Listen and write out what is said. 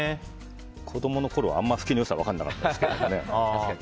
子供のころはあんまりフキの良さは分からなかったですけどね。